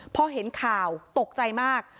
พอเห็นข่าวตกใจมาก